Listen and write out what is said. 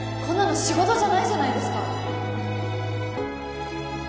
こんなの仕事じゃないじゃないですか